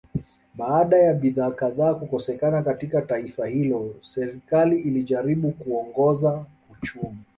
Baada ya bidhaa kadhaa kukosekana katika taifa hilo serikali ilijaribu kuongoza uchumi